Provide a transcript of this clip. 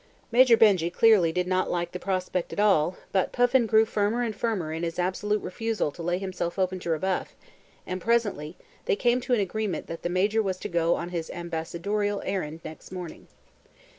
Major Benjy clearly did not like the prospect at all, but Puffin grew firmer and firmer in his absolute refusal to lay himself open to rebuff, and presently, they came to an agreement that the Major was to go on his ambassadorial errand next morning.